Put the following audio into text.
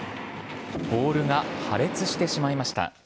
ボールが破裂してしまいました。